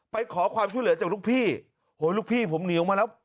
ไปขอความช่วยเหลือจากลูกพี่โหลูกพี่ผมหนีออกมาแล้ว